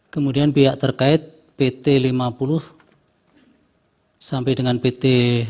kemudian pihak terkait pt lima puluh pt lima puluh satu